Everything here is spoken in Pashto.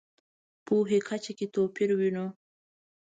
پوهې کچه کې توپیر وینو.